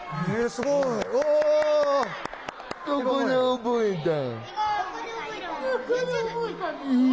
すごいね。